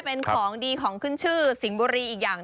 เป็นของดีของขึ้นชื่อสิงห์บุรีอีกอย่าง